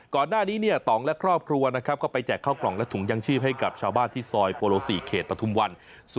ก่อนหน้านี้เนี่ยต่องและครอบครัวนะครับก็ไปแจกข้าวกล่องและถุงยังชีพให้กับชาวบ้านที่ซอยโปโล๔เขตปฐุมวัน